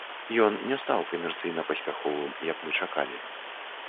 Ён не стаў камерцыйна паспяховым, як мы чакалі.